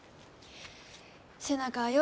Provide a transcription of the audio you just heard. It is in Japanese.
背中はよ